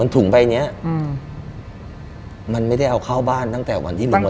ถุงใบเนี้ยอืมมันไม่ได้เอาเข้าบ้านตั้งแต่วันที่ลงมา